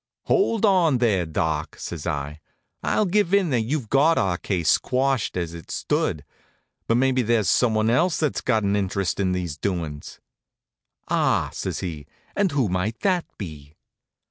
"Hold on there, Doc," says I. "I'll give in that you've got our case quashed as it stood. But maybe there's someone else that's got an interest in these doin's." "Ah!" says he. "And who might that be?"